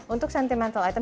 untuk sentimental item